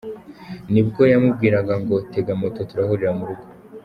Nibwo yamubwiraga ngo tega moto turahurira mu rugo.